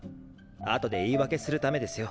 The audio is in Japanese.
後で言い訳するためですよ。